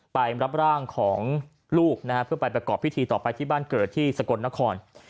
ไปรับร่างของลูกนะฮะเพื่อไปประกอบพิธีต่อไปที่บ้านเกิดที่สกลนคร